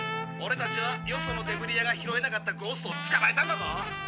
オレたちはよそのデブリ屋が拾えなかったゴーストをつかまえたんだぞ！